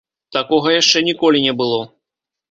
Такога яшчэ ніколі не было!